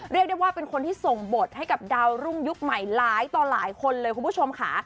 เรียกได้ว่าเป็นคนที่ส่งบทให้กับดาวรุ่งยุคใหม่หลายต่อหลายคนเลยคุณผู้ชมค่ะ